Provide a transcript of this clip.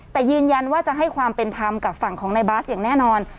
แต่ยืนยันว่าจะให้ความเป็นธรรมกับฝั่งของในบาสอย่างแน่นอน